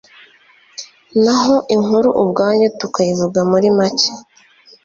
naho inkuru ubwayo tukayivuga muri make